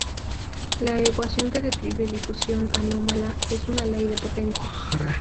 La ecuación que describe difusión anómala es una ley de potencias.